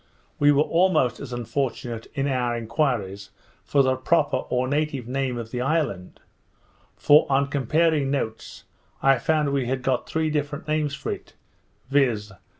We were almost as unfortunate in our enquiries for the proper or native name of the island; for, on comparing notes, I found we had got three different names for it, viz.